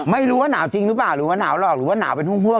ไม่รู้ว่าหนาวจริงหรือเปล่าหรือว่าหนาวหรอกหรือว่าหนาวเป็นห่วง